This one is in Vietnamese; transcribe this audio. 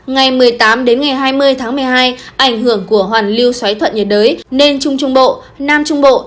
ngày một mươi tám hai mươi một mươi hai ảnh hưởng của hoàn lưu xoáy thuận nhiệt đới nên trung trung bộ nam trung bộ